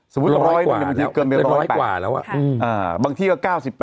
สมมุติ๑๐๐กว่าบางที่ก็๙๘